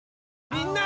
みんな！